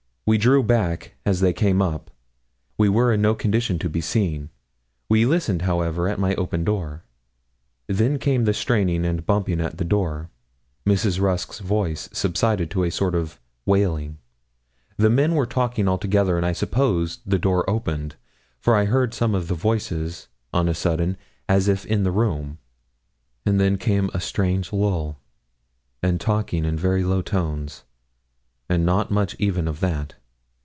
We drew back, as they came up. We were in no condition to be seen. We listened, however, at my open door. Then came the straining and bumping at the door. Mrs. Rusk's voice subsided to a sort of wailing; the men were talking all together, and I suppose the door opened, for I heard some of the voices, on a sudden, as if in the room; and then came a strange lull, and talking in very low tones, and not much even of that.